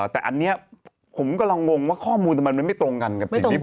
แต่อันนี้ผมกำลังงงว่าข้อมูลทำไมมันไม่ตรงกันกับสิ่งที่ผม